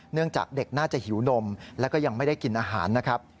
เนื่องจากเด็กน่าจะหิวนมแล้วก็ยังไม่ได้กินอาหารนะครับ